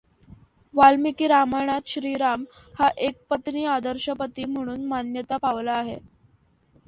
वाल्मिकी रामायणात श्रीराम हा एकपत्नी आदर्श पती म्हणून मान्यता पावला आहे.